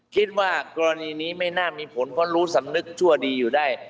คิดว่ากรณีนี้ไม่น่ามีผลเพราะรู้สำนึกชั่วดีอยู่ได้